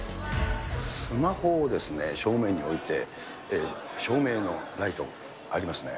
スマホを正面に置いて、照明のライトありますね。